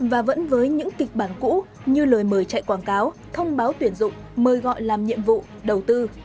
và vẫn với những kịch bản cũ như lời mời chạy quảng cáo thông báo tuyển dụng mời gọi làm nhiệm vụ đầu tư